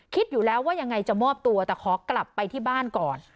คิดอยู่แล้วว่ายังไงจะมอบตัวแต่ขอกลับไปที่บ้านก่อน